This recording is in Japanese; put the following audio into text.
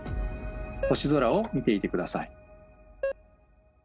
星空を見ていて下さい。